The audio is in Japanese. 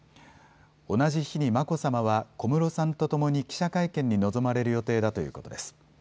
同じ日に眞子さまは小室さんとともに記者会見に臨まれる予定だということです。